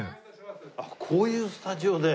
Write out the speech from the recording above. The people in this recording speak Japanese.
あっこういうスタジオで？